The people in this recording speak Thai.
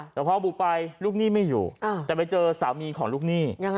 แต่พอบุกไปลูกหนี้ไม่อยู่แต่ไปเจอสามีของลูกหนี้